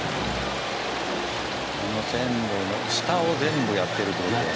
この線路の下を全部やってるって事だよね。